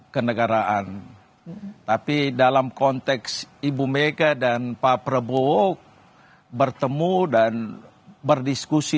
kenegaraan tapi dalam konteks ibu mega dan pak prabowo bertemu dan berdiskusi